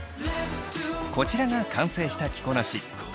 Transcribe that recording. こちらが完成した着こなし。